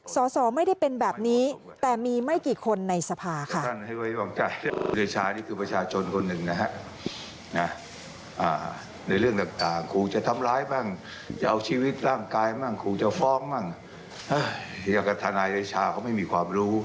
สอสอไม่ได้เป็นแบบนี้แต่มีไม่กี่คนในสภาค่ะ